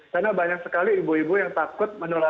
karena banyak sekali ibu ibu yang takut menular ke bayi